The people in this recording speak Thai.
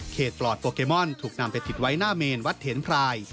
ปลอดโปเกมอนถูกนำไปติดไว้หน้าเมนวัดเถนพราย